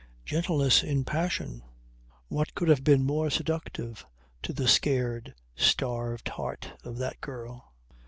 Gentleness in passion! What could have been more seductive to the scared, starved heart of that girl?